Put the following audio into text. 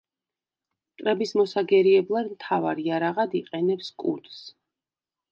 მტრების მოსაგერიებლად მთავარ იარაღად იყენებს კუდს.